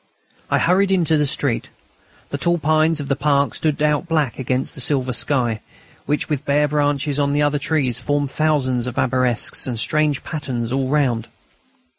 I hurried into the street. The tall pines of the park stood out black against the silver sky, whilst the bare branches of the other trees formed thousands of arabesques and strange patterns all round.